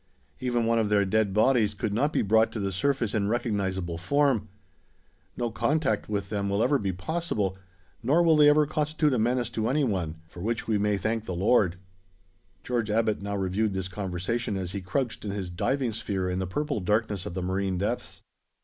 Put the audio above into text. Even one of their dead bodies could not be brought to the surface in recognizable form. No contact with them will ever be possible, nor will they ever constitute a menace to any one for which we may thank the Lord!" George Abbot now reviewed this conversation as he crouched in his diving sphere in the purple darkness of the marine depths.